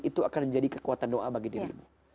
itu akan menjadi kekuatan doa bagi dirimu